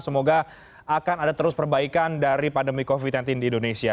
semoga akan ada terus perbaikan dari pandemi covid sembilan belas di indonesia